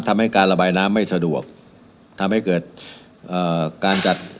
ทำให้การระบายน้ำไม่สะดวกทำให้เกิดเอ่อการจัด